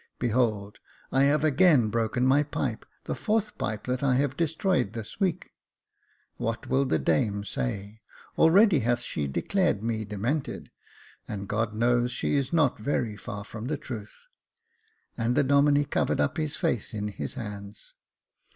Behold ! I have again broken my pipe — the fourth pipe that I have destroyed this week. What will the dame say ? already hath she declared me demented, and God knows she is not very far from the truth;" and the Domine covered up his face in his hands.